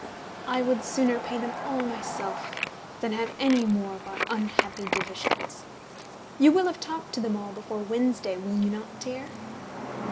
I would sooner pay them all myself than have any more of our unhappy divisions. You will have talked to them all before Wednesday, will you not, dear?"